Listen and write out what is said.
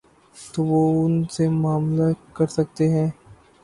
تو وہ ان سے معاملہ کر سکتے ہیں۔